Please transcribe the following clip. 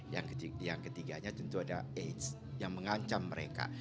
yang ketiganya tentu ada aids yang mengancam mereka